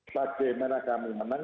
pada genera kami menang